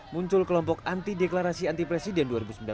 muncul kelompok anti deklarasi anti presiden dua ribu sembilan belas